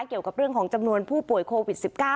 เกี่ยวกับเรื่องของจำนวนผู้ป่วยโควิด๑๙